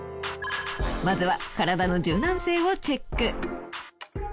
まずは体の柔軟性をチェック。